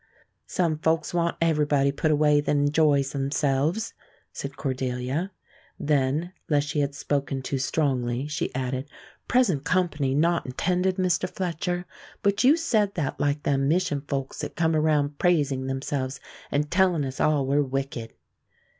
"Some folks wants everybody put away that enjoys themselves," said Cordelia. Then, lest she had spoken too strongly, she added, "Present company not intended, Mr. Fletcher, but you said that like them mission folks that come around praising themselves and tellin' us all we're wicked."